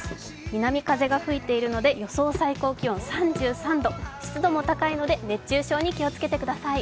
南風が吹いているので予想最高気温３３度、湿度も高いので熱中症に気をつけてください。